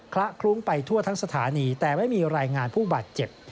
ละคลุ้งไปทั่วทั้งสถานีแต่ไม่มีรายงานผู้บาดเจ็บ